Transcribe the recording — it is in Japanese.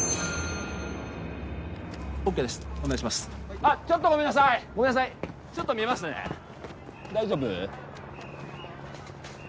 あっちょっとごめんなさいごめんなさいちょっと診ますね大丈夫？